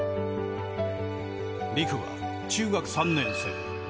陸は今中学３年生。